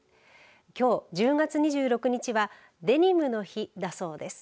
きょう、１０月２６日はデニムの日だそうです。